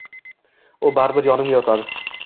U baribir yonimga yotadi.